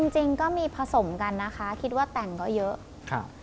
จริงก็มีผสมกันนะคะคิดว่าแต่งก็เยอะ